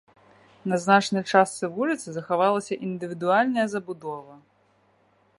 На значнай частцы вуліцы захавалася індывідуальная забудова.